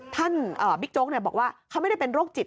บิ๊กโจ๊กบอกว่าเขาไม่ได้เป็นโรคจิต